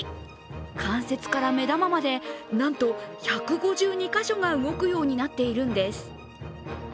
関節から目玉まで、なんと１５２か所が動くようになっているんです。